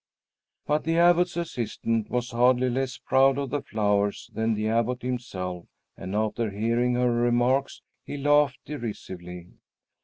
But the Abbot's assistant was hardly less proud of the flowers than the Abbot himself, and after hearing her remarks he laughed derisively.